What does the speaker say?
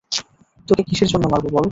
তোকে কিসের জন্য মারব বল?